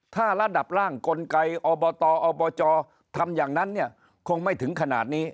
ถ้าระดับร่างกลไกอบตอบจทำอย่างนั้นเนี่ยคงไม่ถึงขนาดนี้